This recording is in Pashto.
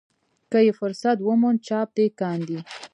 که یې فرصت وموند چاپ دې کاندي.